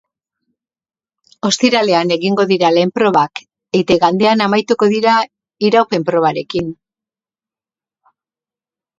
Ostiralean egingo dira lehen probak, eta igandean amaituko dira, iraupen probarekin.